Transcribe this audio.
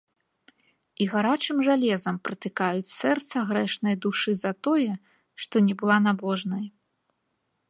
І гарачым жалезам пратыкаюць сэрца грэшнай душы за тое, што не была набожнай.